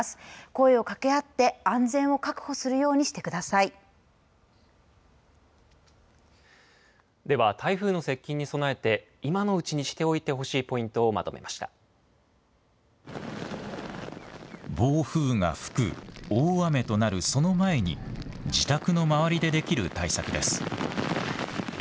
声をかけ合って安全を確保するようにでは台風の接近に備えて今のうちにしておいてほしいポイントを暴風が吹く大雨となるその前に自宅の周りでできる対策です。